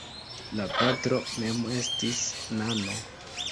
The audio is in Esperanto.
La patro mem estis nano.